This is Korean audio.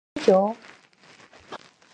물론이죠.